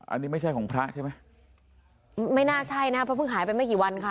อันนี้ไม่ใช่ของพระใช่ไหมไม่น่าใช่นะเพราะเพิ่งหายไปไม่กี่วันค่ะ